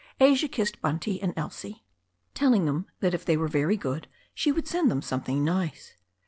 Asia kissed Bunty and Elsie, telling them that if they were very good she would send them something nice.